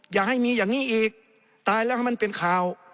อย่าให้มีอย่างนี้อีกตายแล้วให้มันเป็นข่าว